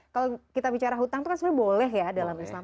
kalau kita bicara hutang itu kan sebenarnya boleh ya dalam islam